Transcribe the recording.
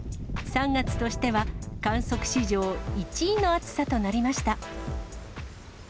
３月としては観測史上１位の暑さとなりました。